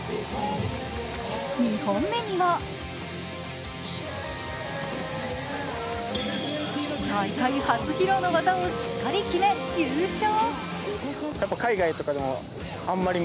２本目には大会初披露の技をしっかり決め、優勝。